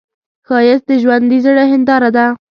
ښایست د ژوندي زړه هنداره ده